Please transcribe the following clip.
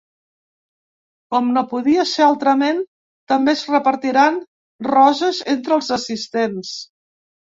Com no podia ser altrament, també es repartiran roses entre els assistents.